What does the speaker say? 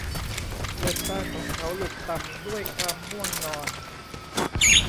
เปลือกตาของเขาหลุบต่ำด้วยความง่วงนอน